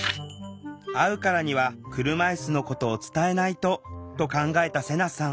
「会うからには車いすのことを伝えないと」と考えたセナさん。